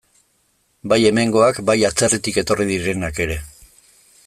Bai hemengoak, bai atzerritik etorri direnak ere.